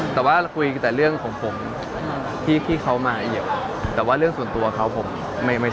แต่ว่ากุยแต่เรื่องของผมที่เขามาเรียบแต่ว่าส่วนตัวของเขาพูดไม่ทราป